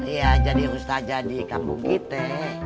ya jadi ustazah di kampung kita